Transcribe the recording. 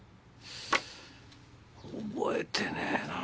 覚えてねぇなぁ。